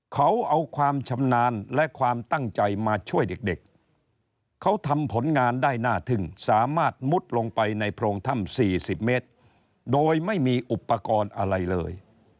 เขาเอาความชำนาญและความตั้งใจมาช่วยเด็กเขาทำผลงานได้น่าทึ่งสามารถมุดลงไปในโพรงถ้ำ๔๐เมตรโดยไม่มีอุปกรณ์อะไรเลย